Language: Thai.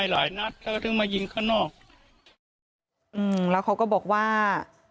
แล้วเขาก็บอกว่า